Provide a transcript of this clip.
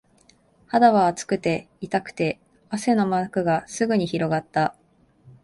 肌は熱くて、痛くて、汗の膜がすぐに広がった